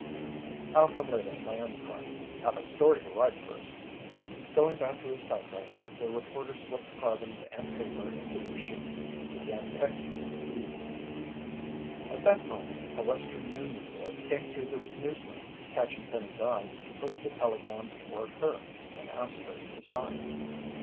"I'll come later in my own car. Have a story to write first." Going back to his typewriter, the reporter slipped carbons and paper into the machine and began pecking the keys. At that moment a Western Union boy came through the newsroom. Catching Penny's eye, he pushed a telegram toward her and asked her to sign.